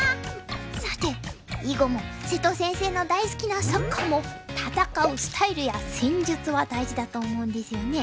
さて囲碁も瀬戸先生の大好きなサッカーも戦うスタイルや戦術は大事だと思うんですよね。